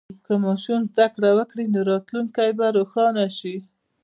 که ماشوم زده کړه وکړي، نو راتلونکی به روښانه شي.